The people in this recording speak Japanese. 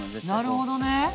なるほどね。